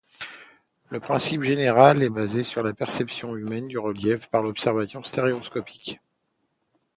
Le principe général est basé sur la perception humaine du relief par observation stéréoscopique.